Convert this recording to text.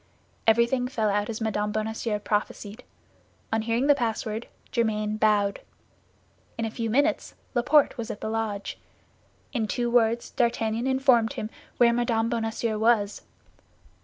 Everything fell out as Mme. Bonacieux prophesied. On hearing the password, Germain bowed. In a few minutes, Laporte was at the lodge; in two words D'Artagnan informed him where Mme. Bonacieux was.